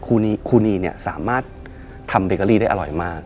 ครูนีเนี่ยสามารถทำเบเกอรี่ได้อร่อยมาก